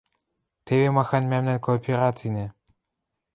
Теве махань мӓмнӓн кооперацинӓ!